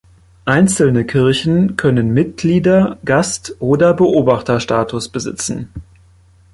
Einzelne Kirchen können Mitglieder-, Gast- oder Beobachterstatus besitzen.